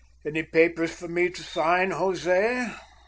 "Any papers for me to sign, José?"